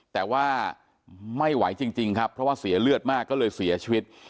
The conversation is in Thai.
แต่ว่าไม่ไหวจริงครับเพราะว่าเสียเลือดมากก็เลยเสียชีวิต